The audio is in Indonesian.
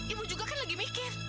ibu juga kan sedang berpikir